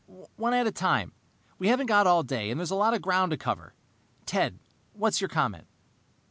"One at a time. We haven't got all day, and there's a lot of ground to cover. Ted, what's your comment?"